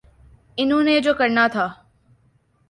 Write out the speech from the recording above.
انہوں نے جو کرنا تھا۔